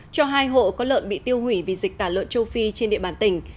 cho hai hộ có lợn bị tiêu hủy vì dịch tả lợn châu phi trên địa bàn tỉnh